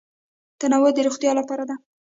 تنوع د روغتیا لپاره ده.